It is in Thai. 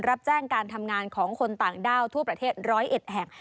รับแจ้งการทำงานของคนต่างด้าวทั่วประเทศ๑๐๑แห่ง